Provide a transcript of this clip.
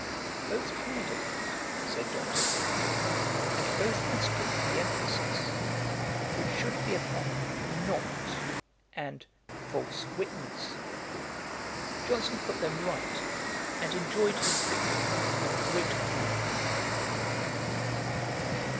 "' Both tried at it, said Dr. Taylor, and both mistook the emphasis, which should be upon not and false witness. Johnson put them right, and enjoyed his victory with great glee.